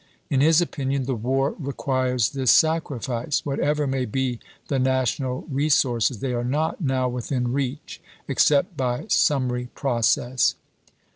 In his opinion the war requires this sacrifice. Whatever may be the national re sources, they are not now within reach, except by summary process.